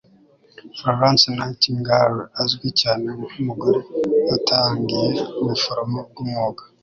florence nightingale azwi cyane nkumugore watangiye ubuforomo bwumwuga